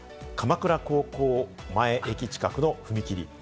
鎌倉高校前駅近くの踏切。